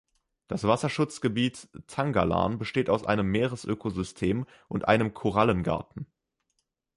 Das Wasserschutzgebiet Tangalan besteht aus einem Meeres-Ökosystem und einem Korallengarten.